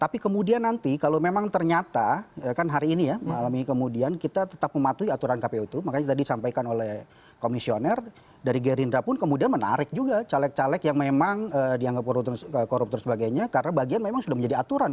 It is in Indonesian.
tapi kemudian nanti kalau memang ternyata kan hari ini ya malam ini kemudian kita tetap mematuhi aturan kpu itu makanya tadi disampaikan oleh komisioner dari gerindra pun kemudian menarik juga caleg caleg yang memang dianggap koruptor sebagainya karena bagian memang sudah menjadi aturan